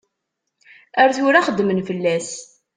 Ar tura xeddmen fell-as.